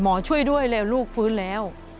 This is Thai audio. ช่วยด้วยแล้วลูกฟื้นแล้ว